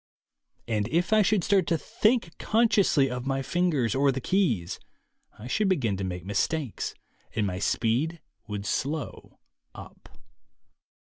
And if I should start to think con sciously of my fingers or the keys, I should begin to make mistakes and my speed would slow up.